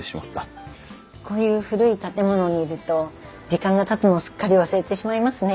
こういう古い建物にいると時間がたつのをすっかり忘れてしまいますね。